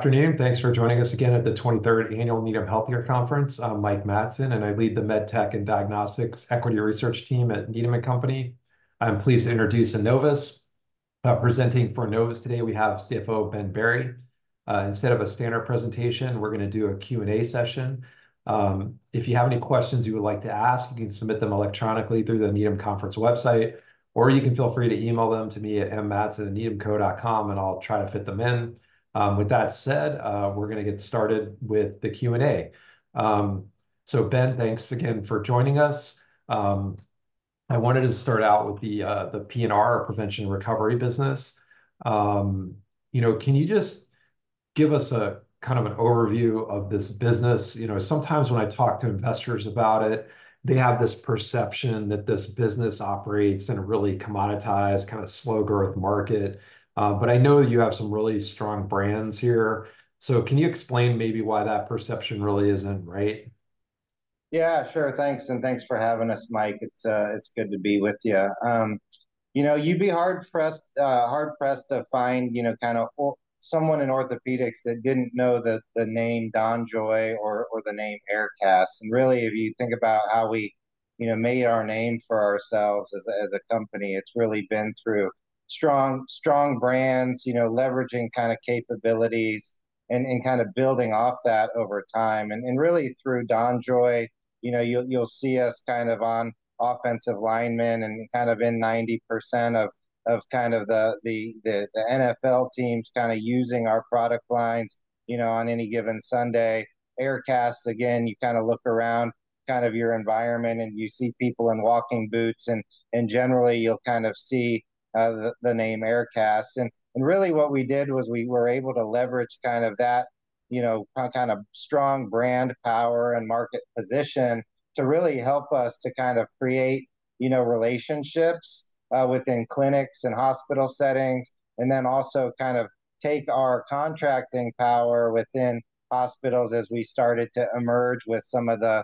Afternoon. Thanks for joining us again at the 23rd Annual Needham Healthcare Conference. I'm Mike Matson, and I lead the MedTech and Diagnostics Equity Research Team at Needham & Company. I'm pleased to introduce Enovis. Presenting for Enovis today, we have CFO Ben Berry. Instead of a standard presentation, we're going to do a Q&A session. If you have any questions you would like to ask, you can submit them electronically through the Needham Conference website, or you can feel free to email them to me at mmatson@needhamco.com, and I'll try to fit them in. With that said, we're going to get started with the Q&A. So, Ben, thanks again for joining us. I wanted to start out with the P&R, Prevention and Recovery business. Can you just give us a kind of an overview of this business? Sometimes when I talk to investors about it, they have this perception that this business operates in a really commoditized, kind of slow-growth market. But I know that you have some really strong brands here. So can you explain maybe why that perception really isn't right? Yeah, sure. Thanks. And thanks for having us, Mike. It's good to be with you. You'd be hard-pressed to find kind of someone in orthopedics that didn't know the name DonJoy or the name Aircast. And really, if you think about how we made our name for ourselves as a company, it's really been through strong brands, leveraging kind of capabilities, and kind of building off that over time. And really, through DonJoy, you'll see us kind of on offensive linemen and kind of in 90% of kind of the NFL teams kind of using our product lines on any given Sunday. Aircasts, again, you kind of look around kind of your environment, and you see people in walking boots. And generally, you'll kind of see the name Aircasts. And really, what we did was we were able to leverage kind of that kind of strong brand power and market position to really help us to kind of create relationships within clinics and hospital settings, and then also kind of take our contracting power within hospitals as we started to emerge with some of the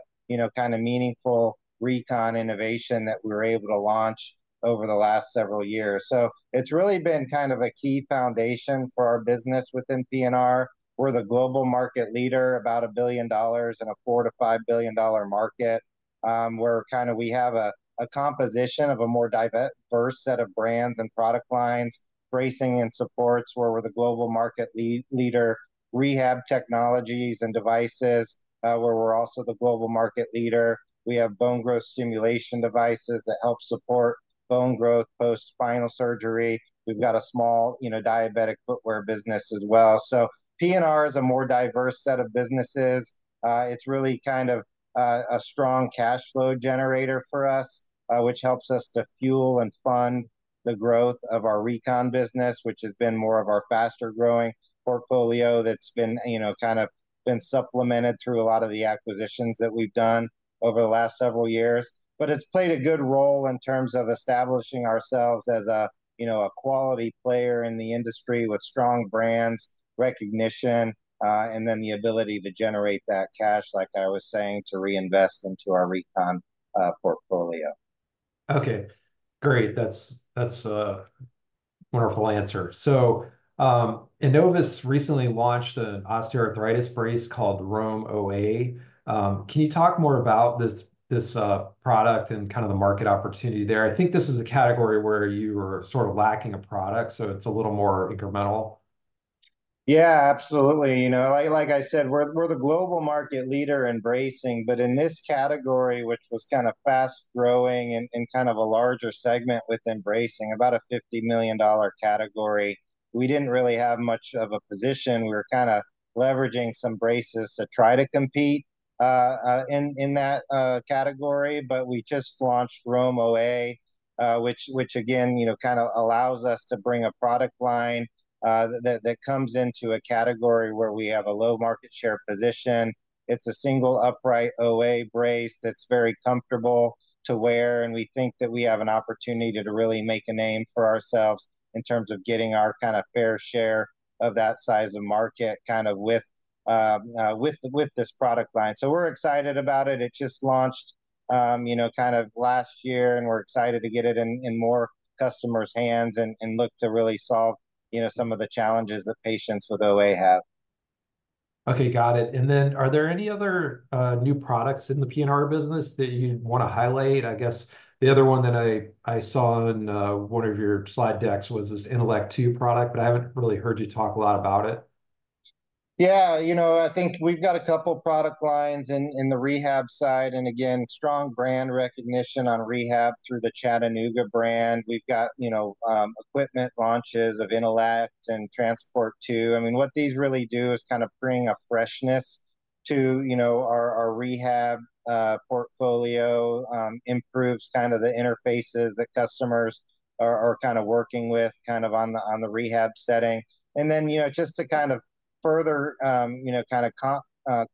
kind of meaningful Recon innovation that we were able to launch over the last several years. So it's really been kind of a key foundation for our business within P&R. We're the global market leader, about $1 billion in a $4-$5 billion market. We're kind of we have a composition of a more diverse set of brands and product lines, bracing and supports where we're the global market leader, rehab technologies and devices where we're also the global market leader. We have bone growth stimulation devices that help support bone growth post-spinal surgery. We've got a small diabetic footwear business as well. So P&R is a more diverse set of businesses. It's really kind of a strong cash flow generator for us, which helps us to fuel and fund the growth of our recon business, which has been more of our faster-growing portfolio that's been kind of supplemented through a lot of the acquisitions that we've done over the last several years. But it's played a good role in terms of establishing ourselves as a quality player in the industry with strong brands, recognition, and then the ability to generate that cash, like I was saying, to reinvest into our recon portfolio. Okay. Great. That's a wonderful answer. So Enovis recently launched an osteoarthritis brace called Roam OA. Can you talk more about this product and kind of the market opportunity there? I think this is a category where you were sort of lacking a product. So it's a little more incremental. Yeah, absolutely. Like I said, we're the global market leader in bracing. But in this category, which was kind of fast-growing and kind of a larger segment within bracing, about a $50 million category, we didn't really have much of a position. We were kind of leveraging some braces to try to compete in that category. But we just launched Roam OA, which, again, kind of allows us to bring a product line that comes into a category where we have a low market share position. It's a single upright OA brace that's very comfortable to wear. And we think that we have an opportunity to really make a name for ourselves in terms of getting our kind of fair share of that size of market kind of with this product line. So we're excited about it. It just launched kind of last year. We're excited to get it in more customers' hands and look to really solve some of the challenges that patients with OA have. Okay. Got it. And then are there any other new products in the P&R business that you'd want to highlight? I guess the other one that I saw in one of your slide decks was this Intelect 2 product, but I haven't really heard you talk a lot about it. Yeah. I think we've got a couple of product lines in the rehab side. Again, strong brand recognition on rehab through the Chattanooga brand. We've got equipment launches of Intelect and Transport 2. I mean, what these really do is kind of bring a freshness to our rehab portfolio, improves kind of the interfaces that customers are kind of working with kind of on the rehab setting. And then just to kind of further kind of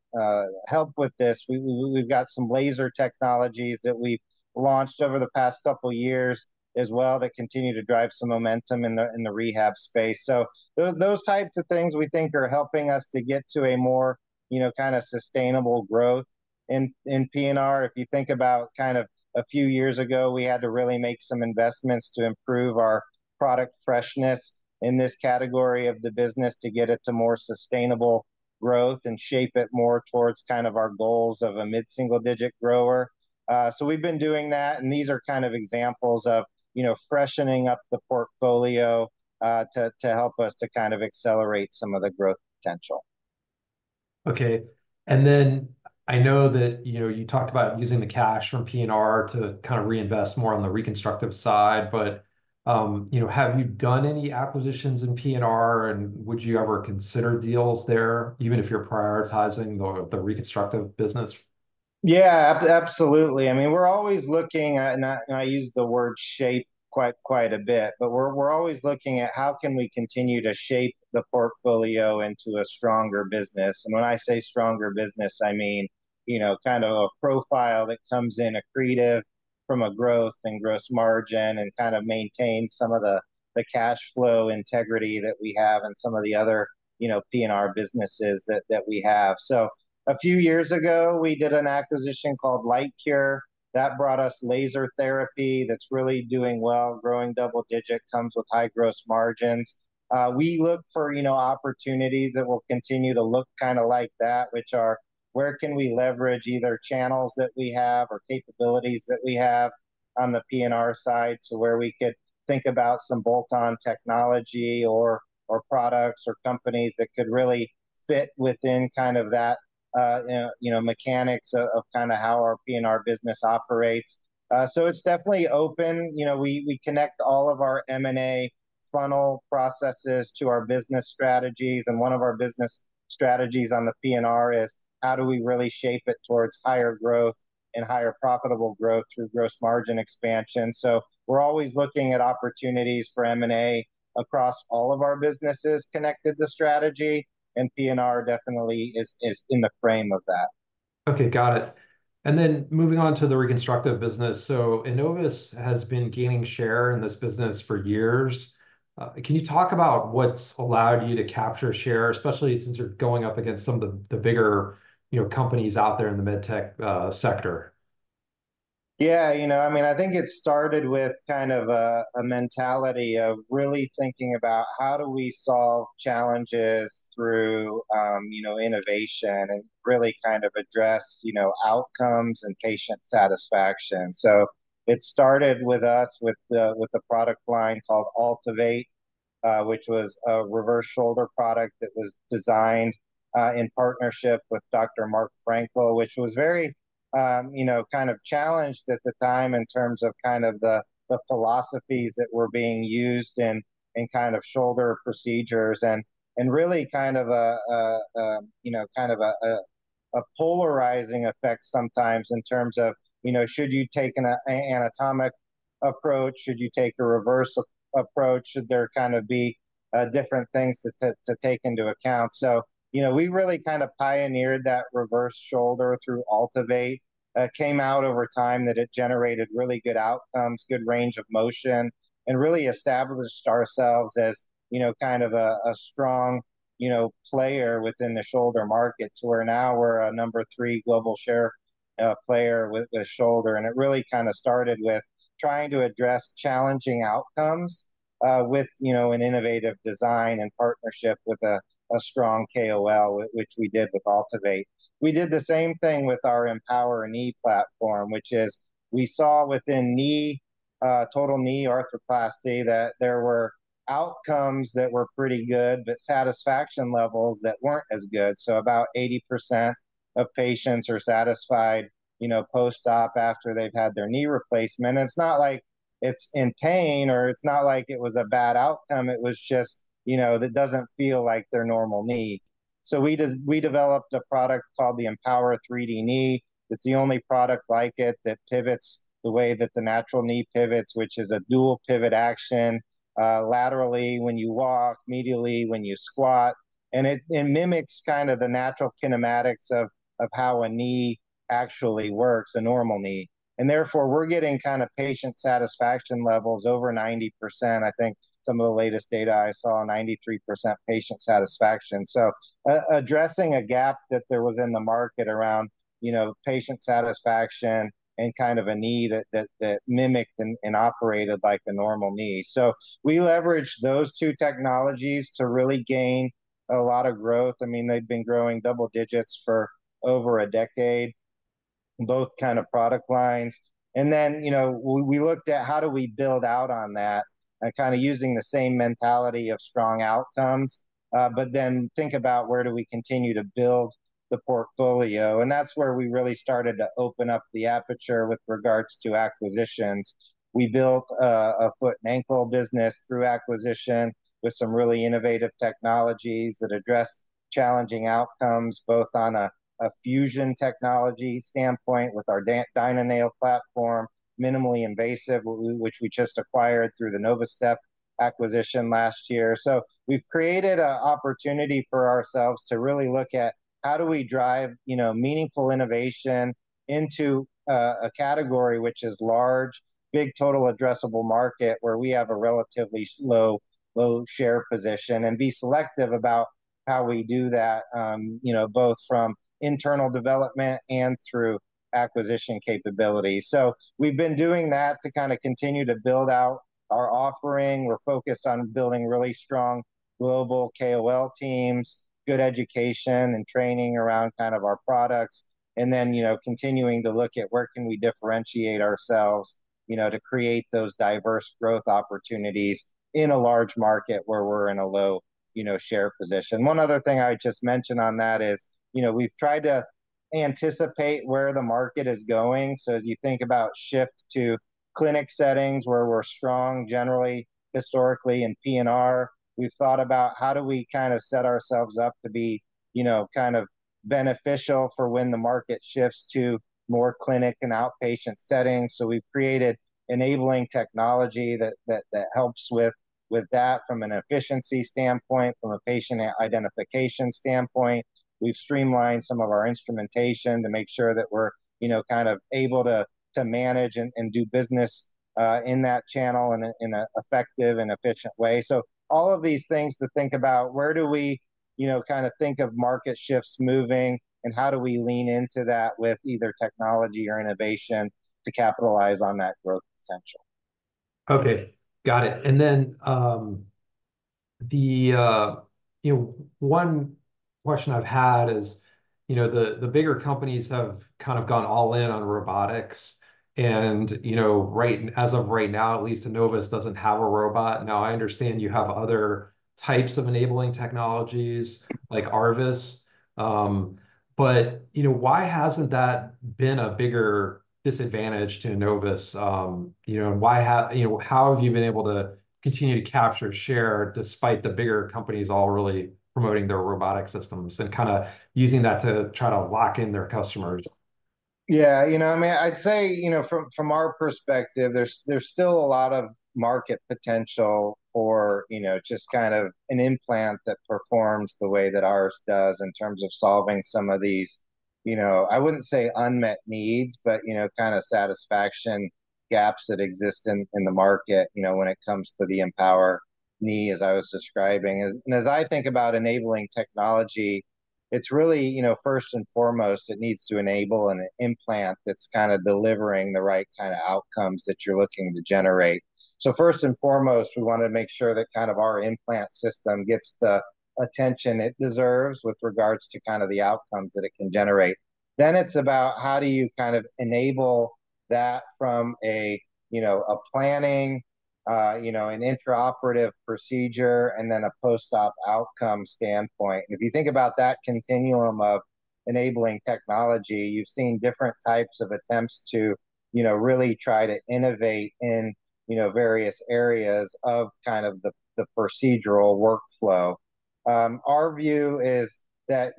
help with this, we've got some laser technologies that we've launched over the past couple of years as well that continue to drive some momentum in the rehab space. So those types of things we think are helping us to get to a more kind of sustainable growth in P&R. If you think about kind of a few years ago, we had to really make some investments to improve our product freshness in this category of the business to get it to more sustainable growth and shape it more towards kind of our goals of a mid-single digit grower. We've been doing that. These are kind of examples of freshening up the portfolio to help us to kind of accelerate some of the growth potential. Okay. And then I know that you talked about using the cash from P&R to kind of reinvest more on the reconstructive side. But have you done any acquisitions in P&R? And would you ever consider deals there, even if you're prioritizing the reconstructive business? Yeah, absolutely. I mean, we're always looking at and I use the word shape quite a bit. But we're always looking at how can we continue to shape the portfolio into a stronger business? And when I say stronger business, I mean kind of a profile that comes in accretive from a growth and gross margin and kind of maintains some of the cash flow integrity that we have in some of the other P&R businesses that we have. So a few years ago, we did an acquisition called LiteCure. That brought us laser therapy that's really doing well, growing double-digit, comes with high gross margins. We look for opportunities that will continue to look kind of like that, which are where we can leverage either channels that we have or capabilities that we have on the P&R side to where we could think about some bolt-on technology or products or companies that could really fit within kind of that mechanics of kind of how our P&R business operates. So it's definitely open. We connect all of our M&A funnel processes to our business strategies. One of our business strategies on the P&R is how do we really shape it towards higher growth and higher profitable growth through gross margin expansion. So we're always looking at opportunities for M&A across all of our businesses connected to strategy. And P&R definitely is in the frame of that. Okay. Got it. And then moving on to the reconstructive business. So Enovis has been gaining share in this business for years. Can you talk about what's allowed you to capture share, especially since you're going up against some of the bigger companies out there in the medtech sector? Yeah. I mean, I think it started with kind of a mentality of really thinking about how do we solve challenges through innovation and really kind of address outcomes and patient satisfaction. So it started with us with the product line called AltiVate, which was a reverse shoulder product that was designed in partnership with Dr. Mark Frankle, which was very kind of challenged at the time in terms of kind of the philosophies that were being used in kind of shoulder procedures and really kind of a kind of a polarizing effect sometimes in terms of should you take an anatomic approach? Should you take a reverse approach? Should there kind of be different things to take into account? So we really kind of pioneered that reverse shoulder through AltiVate, came out over time that it generated really good outcomes, good range of motion, and really established ourselves as kind of a strong player within the shoulder market to where now we're a number 3 global share player with shoulder. It really kind of started with trying to address challenging outcomes with an innovative design in partnership with a strong KOL, which we did with AltiVate. We did the same thing with our Empower Knee platform, which is we saw within total knee arthroplasty that there were outcomes that were pretty good, but satisfaction levels that weren't as good. About 80% of patients are satisfied post-op after they've had their knee replacement. It's not like it's in pain, or it's not like it was a bad outcome. It was just, it doesn't feel like their normal knee. So we developed a product called the Empower 3D Knee. It's the only product like it that pivots the way that the natural knee pivots, which is a dual pivot action laterally when you walk, medially when you squat. And it mimics kind of the natural kinematics of how a knee actually works, a normal knee. And therefore, we're getting kind of patient satisfaction levels over 90%. I think some of the latest data I saw, 93% patient satisfaction. So addressing a gap that there was in the market around patient satisfaction and kind of a knee that mimicked and operated like a normal knee. So we leveraged those two technologies to really gain a lot of growth. I mean, they've been growing double digits for over a decade, both kind of product lines. Then we looked at how do we build out on that, kind of using the same mentality of strong outcomes, but then think about where do we continue to build the portfolio. That's where we really started to open up the aperture with regards to acquisitions. We built a foot and ankle business through acquisition with some really innovative technologies that addressed challenging outcomes, both on a fusion technology standpoint with our DynaNail platform, minimally invasive, which we just acquired through the Novastep acquisition last year. We've created an opportunity for ourselves to really look at how do we drive meaningful innovation into a category, which is large, big total addressable market where we have a relatively low share position and be selective about how we do that, both from internal development and through acquisition capability. We've been doing that to kind of continue to build out our offering. We're focused on building really strong global KOL teams, good education and training around kind of our products, and then continuing to look at where can we differentiate ourselves to create those diverse growth opportunities in a large market where we're in a low share position. One other thing I just mentioned on that is we've tried to anticipate where the market is going. As you think about shift to clinic settings where we're strong generally, historically, in P&R, we've thought about how do we kind of set ourselves up to be kind of beneficial for when the market shifts to more clinic and outpatient settings. We've created enabling technology that helps with that from an efficiency standpoint, from a patient identification standpoint. We've streamlined some of our instrumentation to make sure that we're kind of able to manage and do business in that channel in an effective and efficient way. All of these things to think about where do we kind of think of market shifts moving, and how do we lean into that with either technology or innovation to capitalize on that growth potential? Okay. Got it. And then one question I've had is the bigger companies have kind of gone all in on robotics. And as of right now, at least, Enovis doesn't have a robot. Now, I understand you have other types of enabling technologies like ARVIS. But why hasn't that been a bigger disadvantage to Enovis? And how have you been able to continue to capture share despite the bigger companies all really promoting their robotic systems and kind of using that to try to lock in their customers? Yeah. I mean, I'd say from our perspective, there's still a lot of market potential for just kind of an implant that performs the way that ours does in terms of solving some of these I wouldn't say unmet needs, but kind of satisfaction gaps that exist in the market when it comes to the Empower Knee, as I was describing. And as I think about enabling technology, it's really first and foremost, it needs to enable an implant that's kind of delivering the right kind of outcomes that you're looking to generate. So first and foremost, we want to make sure that kind of our implant system gets the attention it deserves with regards to kind of the outcomes that it can generate. Then it's about how do you kind of enable that from a planning, an intraoperative procedure, and then a post-op outcome standpoint. If you think about that continuum of enabling technology, you've seen different types of attempts to really try to innovate in various areas of kind of the procedural workflow. Our view is that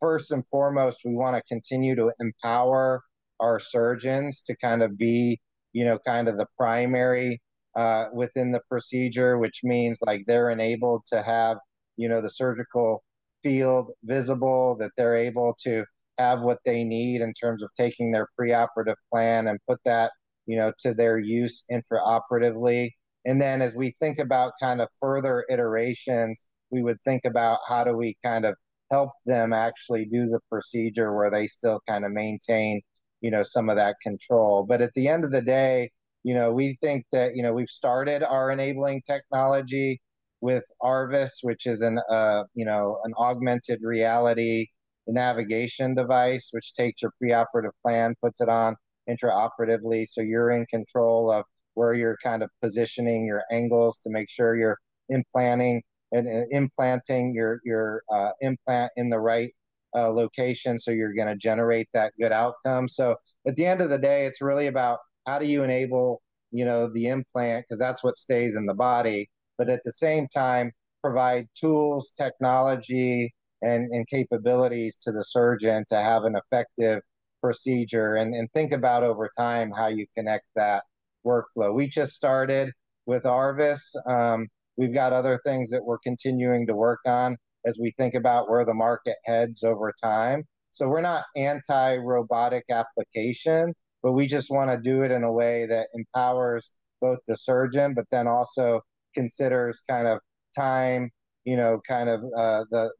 first and foremost, we want to continue to empower our surgeons to kind of be kind of the primary within the procedure, which means they're enabled to have the surgical field visible, that they're able to have what they need in terms of taking their preoperative plan and put that to their use intraoperatively. Then as we think about kind of further iterations, we would think about how do we kind of help them actually do the procedure where they still kind of maintain some of that control. But at the end of the day, we think that we've started our enabling technology with Arvis, which is an augmented reality navigation device, which takes your preoperative plan, puts it on intraoperatively. So you're in control of where you're kind of positioning your angles to make sure you're implanting your implant in the right location so you're going to generate that good outcome. So at the end of the day, it's really about how do you enable the implant because that's what stays in the body, but at the same time, provide tools, technology, and capabilities to the surgeon to have an effective procedure and think about over time how you connect that workflow. We just started with Arvis. We've got other things that we're continuing to work on as we think about where the market heads over time. We're not anti-robotic application, but we just want to do it in a way that empowers both the surgeon but then also considers kind of time, kind of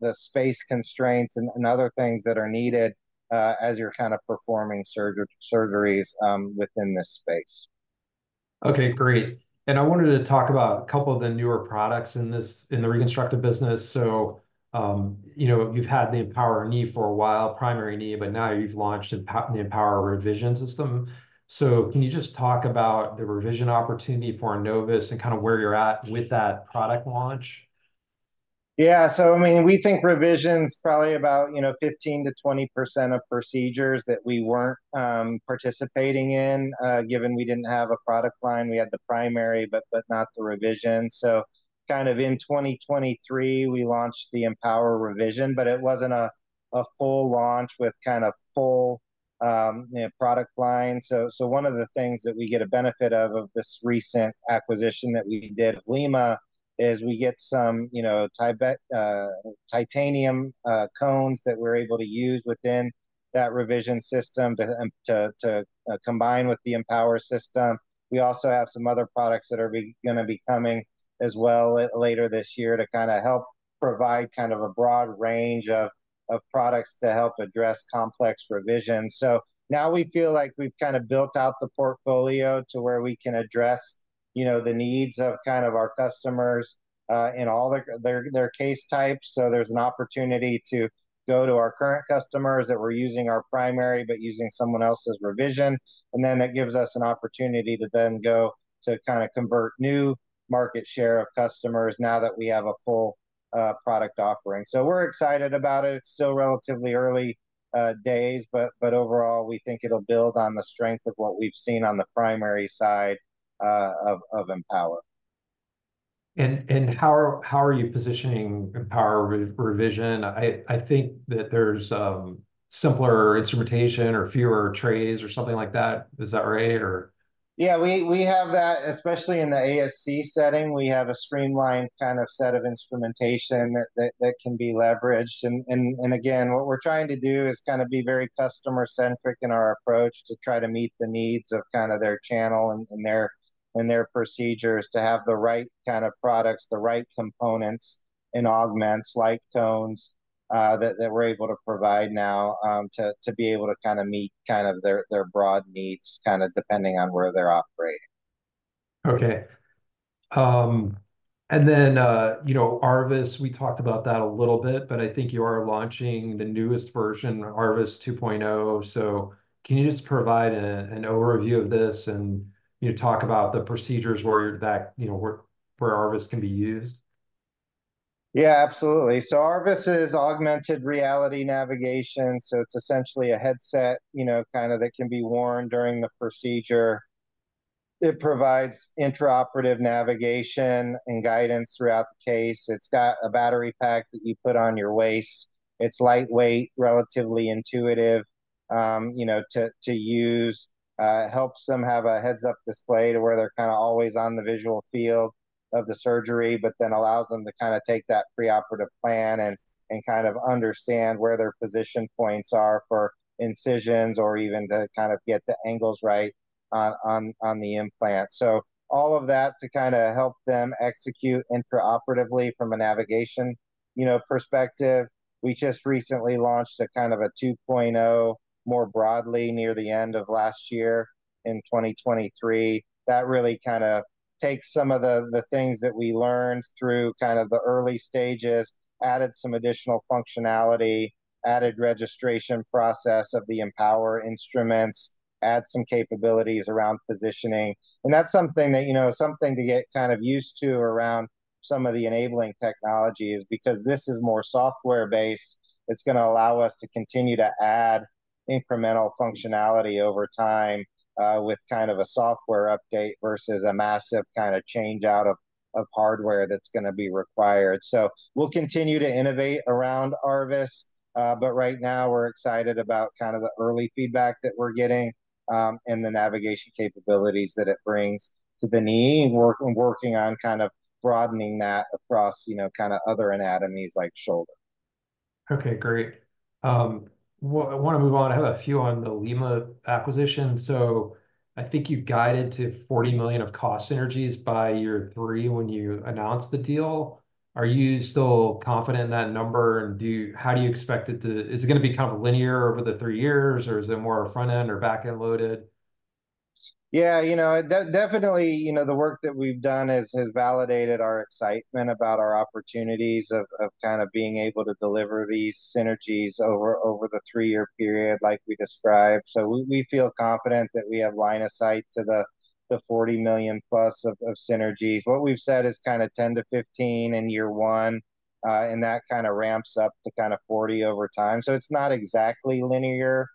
the space constraints, and other things that are needed as you're kind of performing surgeries within this space. Okay. Great. I wanted to talk about a couple of the newer products in the reconstructive business. You've had the Empower Knee for a while, Primary Knee, but now you've launched the Empower Revision System. Can you just talk about the revision opportunity for Enovis and kind of where you're at with that product launch? Yeah. So I mean, we think revision's probably about 15%-20% of procedures that we weren't participating in given we didn't have a product line. We had the primary but not the revision. So kind of in 2023, we launched the Empower Revision, but it wasn't a full launch with kind of full product line. So one of the things that we get a benefit of this recent acquisition that we did of Lima is we get some titanium cones that we're able to use within that revision system to combine with the Empower System. We also have some other products that are going to be coming as well later this year to kind of help provide kind of a broad range of products to help address complex revisions. Now we feel like we've kind of built out the portfolio to where we can address the needs of kind of our customers in all their case types. There's an opportunity to go to our current customers that we're using our primary but using someone else's revision. It gives us an opportunity to then go to kind of convert new market share of customers now that we have a full product offering. We're excited about it. It's still relatively early days, but overall, we think it'll build on the strength of what we've seen on the primary side of Empower. How are you positioning Empower Revision? I think that there's simpler instrumentation or fewer trays or something like that. Is that right, or? Yeah. We have that, especially in the ASC setting. We have a streamlined kind of set of instrumentation that can be leveraged. And again, what we're trying to do is kind of be very customer-centric in our approach to try to meet the needs of kind of their channel and their procedures to have the right kind of products, the right components, and augments like cones that we're able to provide now to be able to kind of meet kind of their broad needs kind of depending on where they're operating. Okay. And then Arvis, we talked about that a little bit, but I think you are launching the newest version, Arvis 2.0. So can you just provide an overview of this and talk about the procedures where Arvis can be used? Yeah, absolutely. So Arvis is augmented reality navigation. So it's essentially a headset kind of that can be worn during the procedure. It provides intraoperative navigation and guidance throughout the case. It's got a battery pack that you put on your waist. It's lightweight, relatively intuitive to use. It helps them have a heads-up display to where they're kind of always on the visual field of the surgery, but then allows them to kind of take that preoperative plan and kind of understand where their position points are for incisions or even to kind of get the angles right on the implant. So all of that to kind of help them execute intraoperatively from a navigation perspective. We just recently launched kind of a 2.0 more broadly near the end of last year in 2023. That really kind of takes some of the things that we learned through kind of the early stages, added some additional functionality, added registration process of the Empower instruments, added some capabilities around positioning. That's something to get kind of used to around some of the enabling technologies because this is more software-based. It's going to allow us to continue to add incremental functionality over time with kind of a software update versus a massive kind of changeout of hardware that's going to be required. We'll continue to innovate around Arvis, but right now, we're excited about kind of the early feedback that we're getting and the navigation capabilities that it brings to the knee and working on kind of broadening that across kind of other anatomies like shoulder. Okay. Great. I want to move on. I have a few on the Lima acquisition. So I think you guided to $40 million of cost synergies by year three when you announced the deal. Are you still confident in that number? And how do you expect it to? Is it going to be kind of linear over the three years, or is it more front-end or back-end loaded? Yeah. Definitely, the work that we've done has validated our excitement about our opportunities of kind of being able to deliver these synergies over the three-year period like we described. So we feel confident that we have line of sight to the $40 million-plus of synergies. What we've said is kind of $10-$15 million in year one, and that kind of ramps up to kind of $40 million over time. So it's not exactly linear,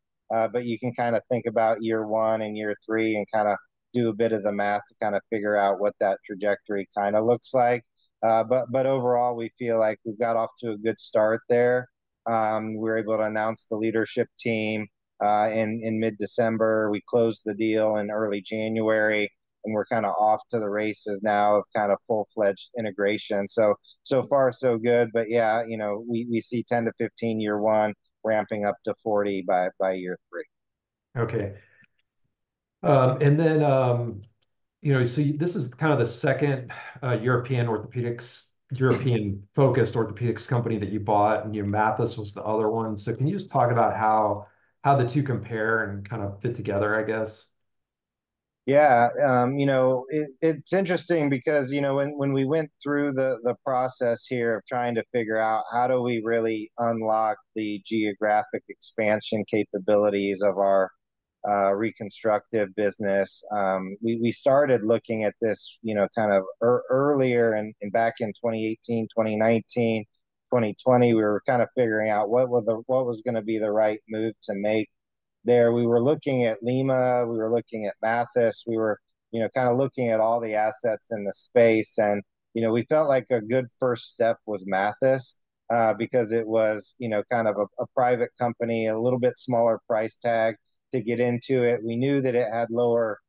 but you can kind of think about year one and year three and kind of do a bit of the math to kind of figure out what that trajectory kind of looks like. But overall, we feel like we've got off to a good start there. We were able to announce the leadership team in mid-December. We closed the deal in early January, and we're kind of off to the races now of kind of full-fledged integration. So far, so good. But yeah, we see 10-15 year one ramping up to 40 by year three. Okay. And then so this is kind of the second European-focused orthopedics company that you bought, and your Mathys was the other one. So can you just talk about how the two compare and kind of fit together, I guess? Yeah. It's interesting because when we went through the process here of trying to figure out how do we really unlock the geographic expansion capabilities of our reconstructive business, we started looking at this kind of earlier back in 2018, 2019, 2020. We were kind of figuring out what was going to be the right move to make there. We were looking at Lima. We were looking at Mathys. We were kind of looking at all the assets in the space. And we felt like a good first step was Mathys because it was kind of a private company, a little bit smaller price tag to get into it. We knew that it had lower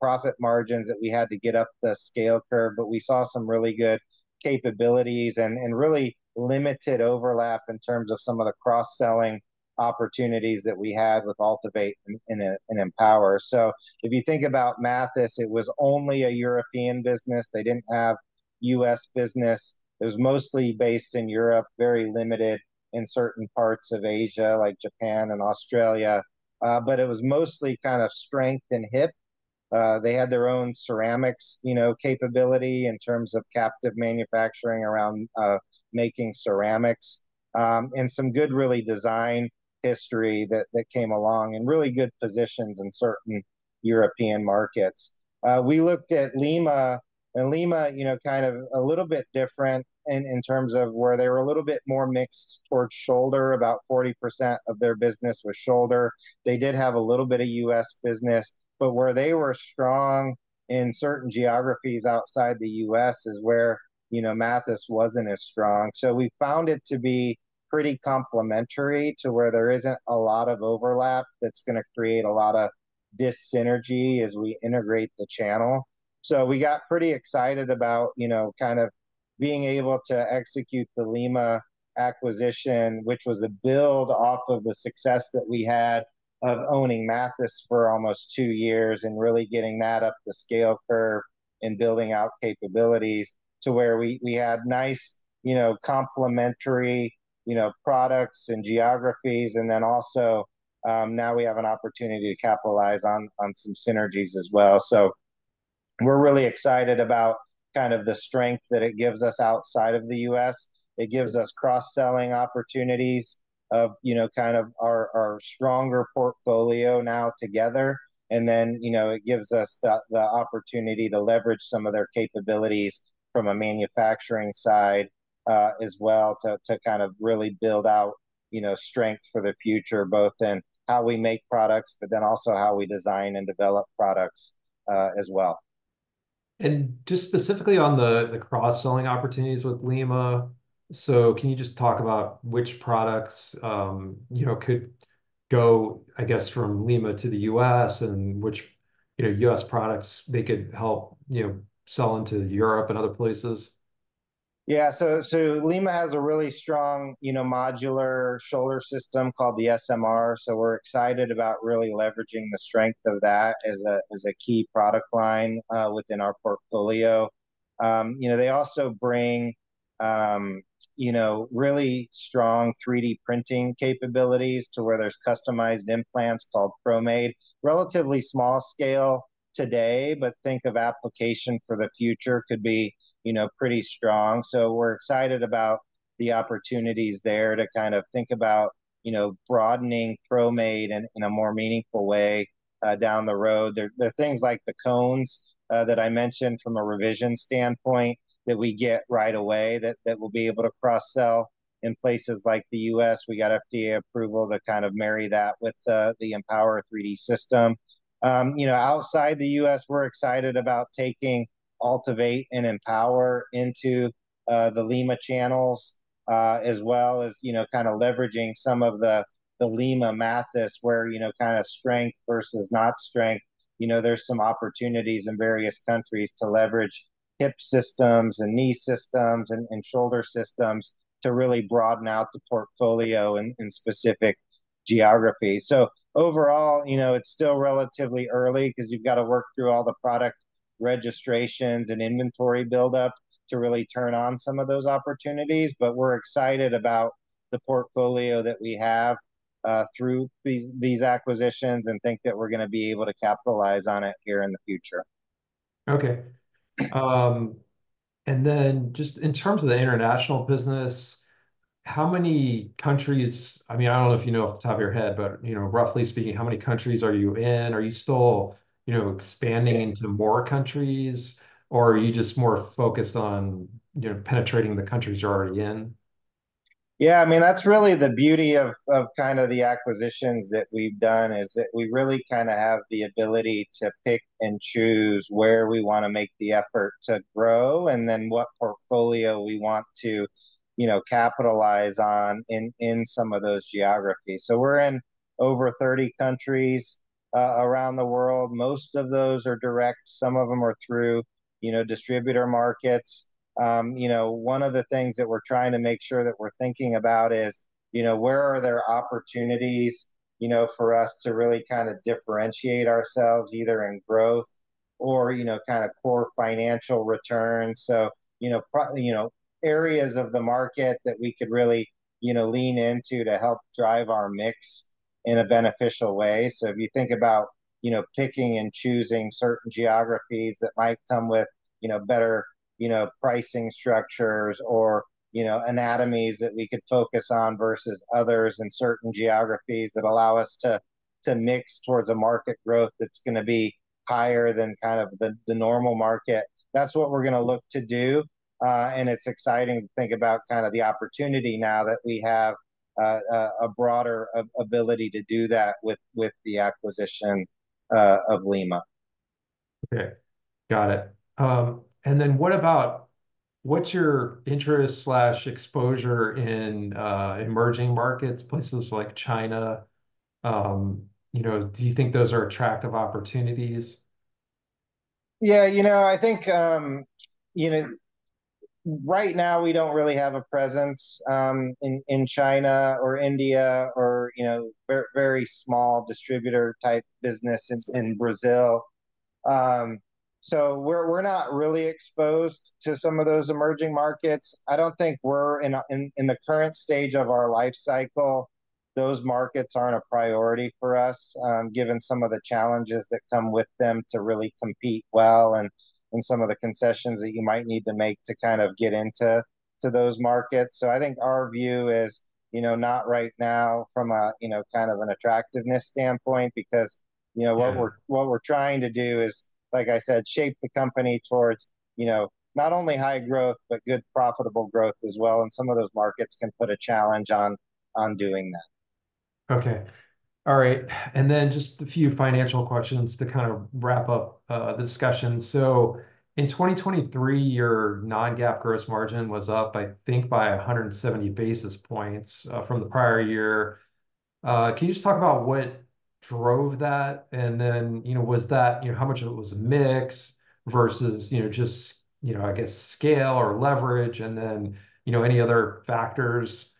profit margins that we had to get up the scale curve, but we saw some really good capabilities and really limited overlap in terms of some of the cross-selling opportunities that we had with Altivate and Empower. So if you think about Mathys, it was only a European business. They didn't have U.S. business. It was mostly based in Europe, very limited in certain parts of Asia like Japan and Australia. But it was mostly kind of strength and hip. They had their own ceramics capability in terms of captive manufacturing around making ceramics and some good really design history that came along and really good positions in certain European markets. We looked at Lima. And Lima, kind of a little bit different in terms of where they were a little bit more mixed towards shoulder. About 40% of their business was shoulder. They did have a little bit of U.S. business, but where they were strong in certain geographies outside the U.S. is where Mathys wasn't as strong. So we found it to be pretty complementary to where there isn't a lot of overlap that's going to create a lot of dyssynergy as we integrate the channel. So we got pretty excited about kind of being able to execute the Lima acquisition, which was a build off of the success that we had of owning Mathys for almost two years and really getting that up the scale curve and building out capabilities to where we had nice complementary products and geographies. And then also now we have an opportunity to capitalize on some synergies as well. So we're really excited about kind of the strength that it gives us outside of the U.S. It gives us cross-selling opportunities of kind of our stronger portfolio now together. And then it gives us the opportunity to leverage some of their capabilities from a manufacturing side as well to kind of really build out strength for the future, both in how we make products but then also how we design and develop products as well. Just specifically on the cross-selling opportunities with Lima, so can you just talk about which products could go, I guess, from Lima to the U.S. and which U.S. products they could help sell into Europe and other places? Yeah. So Lima has a really strong modular shoulder system called the SMR. So we're excited about really leveraging the strength of that as a key product line within our portfolio. They also bring really strong 3D printing capabilities to, where there's customized implants called ProMade, relatively small scale today, but think of application for the future could be pretty strong. So we're excited about the opportunities there to kind of think about broadening ProMade in a more meaningful way down the road. There are things like the cones that I mentioned from a revision standpoint that we get right away that we'll be able to cross-sell in places like the U.S. We got FDA approval to kind of marry that with the Empower 3D system. Outside the U.S., we're excited about taking Altivate and Empower into the Lima channels as well as kind of leveraging some of the Lima-Mathys where kind of strength versus not strength. There's some opportunities in various countries to leverage hip systems and knee systems and shoulder systems to really broaden out the portfolio in specific geographies. So overall, it's still relatively early because you've got to work through all the product registrations and inventory buildup to really turn on some of those opportunities. But we're excited about the portfolio that we have through these acquisitions and think that we're going to be able to capitalize on it here in the future. Okay. And then just in terms of the international business, how many countries, I mean, I don't know if you know off the top of your head, but roughly speaking, how many countries are you in? Are you still expanding into more countries, or are you just more focused on penetrating the countries you're already in? Yeah. I mean, that's really the beauty of kind of the acquisitions that we've done is that we really kind of have the ability to pick and choose where we want to make the effort to grow and then what portfolio we want to capitalize on in some of those geographies. So we're in over 30 countries around the world. Most of those are direct. Some of them are through distributor markets. One of the things that we're trying to make sure that we're thinking about is where are there opportunities for us to really kind of differentiate ourselves either in growth or kind of core financial returns? So areas of the market that we could really lean into to help drive our mix in a beneficial way. If you think about picking and choosing certain geographies that might come with better pricing structures or anatomies that we could focus on versus others in certain geographies that allow us to mix towards a market growth that's going to be higher than kind of the normal market, that's what we're going to look to do. It's exciting to think about kind of the opportunity now that we have a broader ability to do that with the acquisition of Lima. Okay. Got it. And then what's your interest or exposure in emerging markets, places like China? Do you think those are attractive opportunities? Yeah. I think right now, we don't really have a presence in China or India or very small distributor-type business in Brazil. So we're not really exposed to some of those emerging markets. I don't think we're in the current stage of our life cycle. Those markets aren't a priority for us given some of the challenges that come with them to really compete well and some of the concessions that you might need to make to kind of get into those markets. So I think our view is not right now from kind of an attractiveness standpoint because what we're trying to do is, like I said, shape the company towards not only high growth but good profitable growth as well. And some of those markets can put a challenge on doing that. Okay. All right. And then just a few financial questions to kind of wrap up the discussion. So in 2023, your non-GAAP gross margin was up, I think, by 170 basis points from the prior year. Can you just talk about what drove that? And then was that how much of it was a mix versus just, I guess, scale or leverage and then any other factors?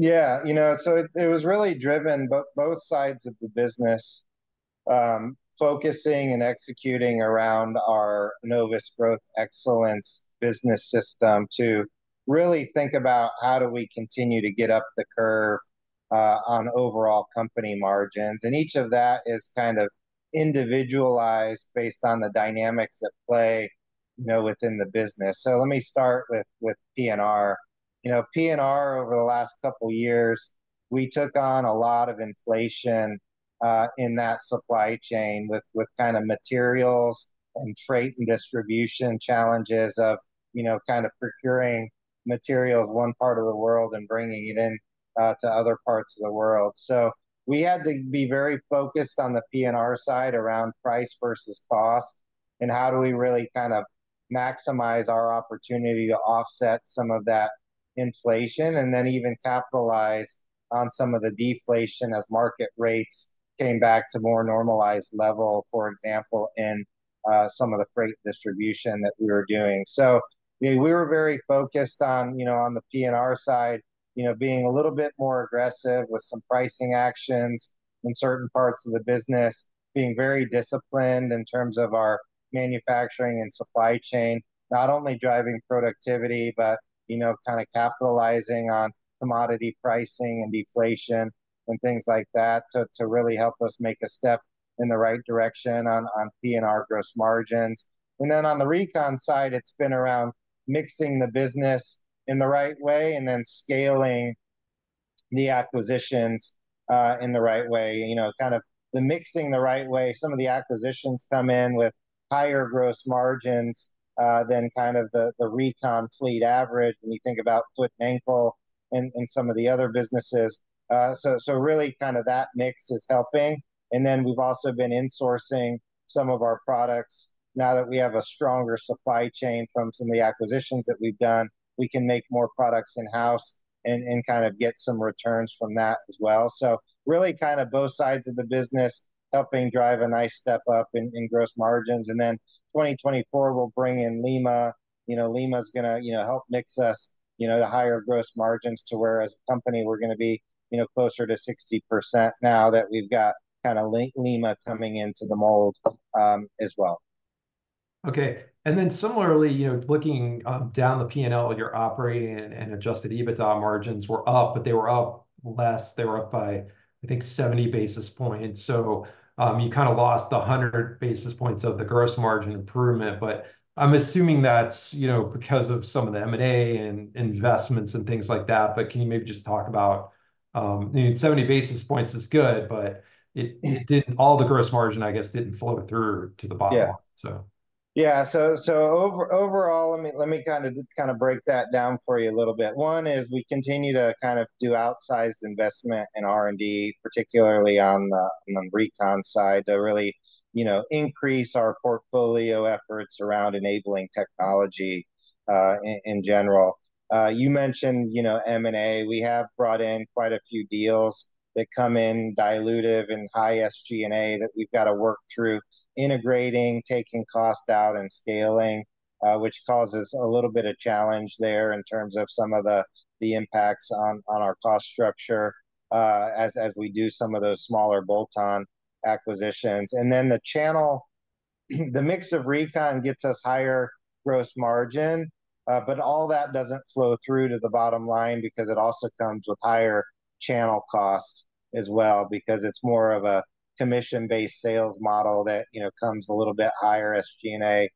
Yeah. So it was really driven by both sides of the business focusing and executing around our Enovis Growth Excellence business system to really think about how do we continue to get up the curve on overall company margins. And each of that is kind of individualized based on the dynamics at play within the business. So let me start with P&R. P&R, over the last couple of years, we took on a lot of inflation in that supply chain with kind of materials and freight and distribution challenges of kind of procuring materials one part of the world and bringing it in to other parts of the world. So we had to be very focused on the P&R side around price versus cost and how do we really kind of maximize our opportunity to offset some of that inflation and then even capitalize on some of the deflation as market rates came back to more normalized level, for example, in some of the freight distribution that we were doing. So we were very focused on the P&R side being a little bit more aggressive with some pricing actions in certain parts of the business, being very disciplined in terms of our manufacturing and supply chain, not only driving productivity but kind of capitalizing on commodity pricing and deflation and things like that to really help us make a step in the right direction on P&R gross margins. And then on the Recon side, it's been around mixing the business in the right way and then scaling the acquisitions in the right way, kind of mixing the right way. Some of the acquisitions come in with higher gross margins than kind of the Recon fleet average when you think about foot and ankle in some of the other businesses. So really kind of that mix is helping. And then we've also been insourcing some of our products. Now that we have a stronger supply chain from some of the acquisitions that we've done, we can make more products in-house and kind of get some returns from that as well. So really kind of both sides of the business helping drive a nice step up in gross margins. And then 2024 will bring in Lima. Lima is going to help mix us to higher gross margins to where, as a company, we're going to be closer to 60% now that we've got kind of Lima coming into the mold as well. Okay. And then similarly, looking down the P&L, your operating and adjusted EBITDA margins were up, but they were up less. They were up by, I think, 70 basis points. So you kind of lost the 100 basis points of the gross margin improvement. But I'm assuming that's because of some of the M&A and investments and things like that. But can you maybe just talk about 70 basis points is good, but all the gross margin, I guess, didn't flow through to the bottom line, so. Yeah. So overall, let me kind of break that down for you a little bit. One is we continue to kind of do outsized investment in R&D, particularly on the Recon side, to really increase our portfolio efforts around enabling technology in general. You mentioned M&A. We have brought in quite a few deals that come in dilutive and high SG&A that we've got to work through integrating, taking cost out, and scaling, which causes a little bit of challenge there in terms of some of the impacts on our cost structure as we do some of those smaller bolt-on acquisitions. And then the mix of Recon gets us higher gross margin, but all that doesn't flow through to the bottom line because it also comes with higher channel costs as well because it's more of a commission-based sales model that comes a little bit higher SG&A,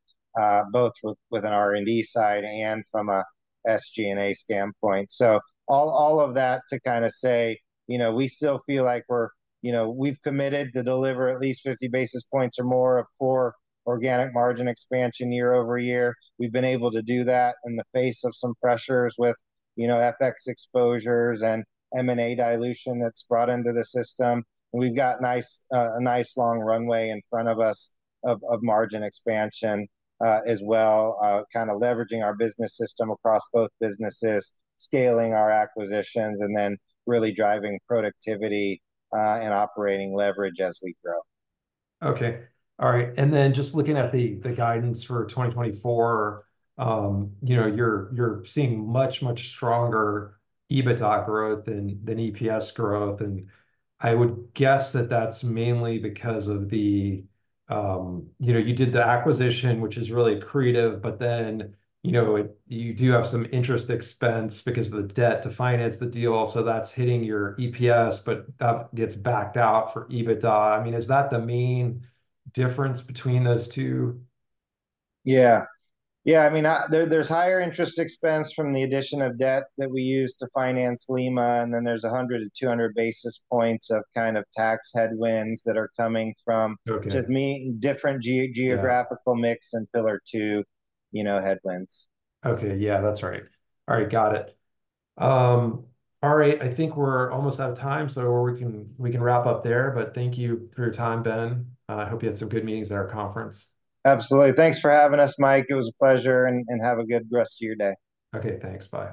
both with an R&D side and from a SG&A standpoint. So all of that to kind of say we still feel like we've committed to deliver at least 50 basis points or more of core organic margin expansion year-over-year. We've been able to do that in the face of some pressures with FX exposures and M&A dilution that's brought into the system. And we've got a nice long runway in front of us of margin expansion as well, kind of leveraging our business system across both businesses, scaling our acquisitions, and then really driving productivity and operating leverage as we grow. Okay. All right. And then just looking at the guidance for 2024, you're seeing much, much stronger EBITDA growth than EPS growth. And I would guess that that's mainly because of the acquisition you did, which is really creative, but then you do have some interest expense because of the debt to finance the deal. So that's hitting your EPS, but that gets backed out for EBITDA. I mean, is that the main difference between those two? Yeah. Yeah. I mean, there's higher interest expense from the addition of debt that we use to finance Lima. And then there's 100-200 basis points of kind of tax headwinds that are coming from just meaning different geographical mix and Pillar Two headwinds. Okay. Yeah. That's right. All right. Got it. All right. I think we're almost out of time, so we can wrap up there. But thank you for your time, Ben. I hope you had some good meetings at our conference. Absolutely. Thanks for having us, Mike. It was a pleasure. And have a good rest of your day. Okay. Thanks. Bye.